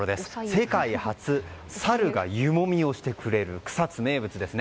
世界初、サルが湯もみをしてくれる草津名物です。